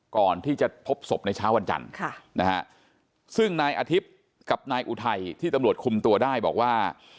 ก่อนที่จะพบศพในเช้าวันจันทร์ซึ่งนายอาทิตย์กับนายอุทัยที่ตำรวจคุมตัวได้บอกว่า